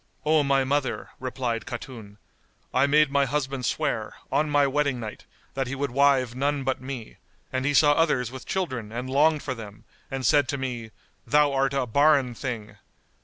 "O my mother," replied Khatun, "I made my husband swear, on my wedding night, that he would wive none but me, and he saw others with children and longed for them and said to me, 'Thou art a barren thing!